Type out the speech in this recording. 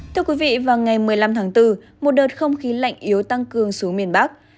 thưa quý vị vào ngày một mươi năm tháng bốn một đợt không khí lạnh yếu tăng cường xuống miền bắc